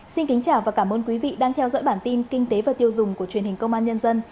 xin kính chào và cảm ơn quý vị đang theo dõi bản tin kinh tế và tiêu dùng của truyền hình công an nhân dân